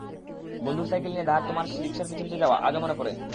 বন্ধুর সাইকেল ধার নিয়ে তোমার রিকশার পিছে পিছে যাওয়া, আজও মনে পড়ে।